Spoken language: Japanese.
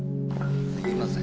すいません